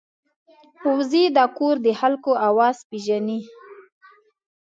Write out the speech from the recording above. وزې د کور د خلکو آواز پېژني